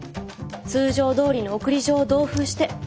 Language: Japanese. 通常どおりの送り状を同封して。